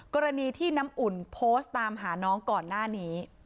กรณีที่น้ำอุ่นโพสต์ตามหาน้องก่อนหน้านี้